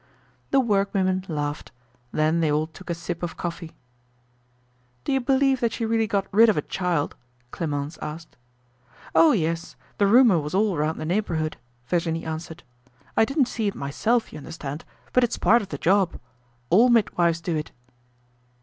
The workwomen laughed. Then they all took a sip of coffee. "Do you believe that she really got rid of a child?" Clemence asked. "Oh, yes! The rumor was all round the neighborhood," Virginie answered. "I didn't see it myself, you understand, but it's part of the job. All midwives do it."